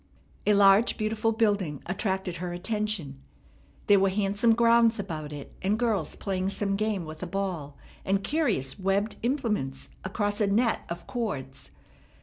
A large, beautiful building attracted her attention. There were handsome grounds about it, and girls playing some game with a ball and curious webbed implements across a net of cords.